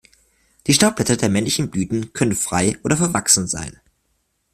Die Staubblätter der männlichen Blüten können frei oder verwachsen sein.